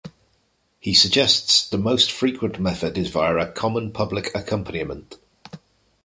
He suggests the most frequent method is via "a common public accompaniment".